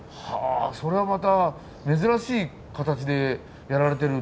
それはまた珍しい形でやられてるんですね。